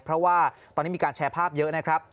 เพราะว่าตอนนี้มีการแชร์ภาพเยอะนะครับ